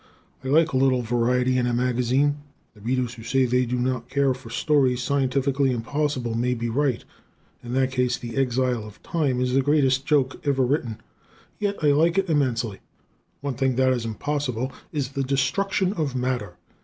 I like a little variety in a magazine. The Readers who say they do not care for stories scientifically impossible may be right; in that case "The Exile of Time" is the greatest joke ever written yet I like it immensely. One thing that is impossible is the destruction of matter.